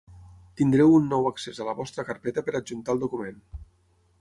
Tindreu un nou accés a la vostra carpeta per adjuntar el document.